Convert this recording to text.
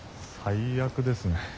最悪ですね。